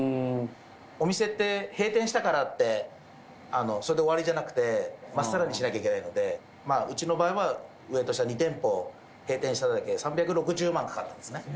お店って閉店したからってそれで終わりじゃなくて、まっさらにしなきゃいけないんで、うちの場合も２店舗閉店しただけで３６０万かかったんですね。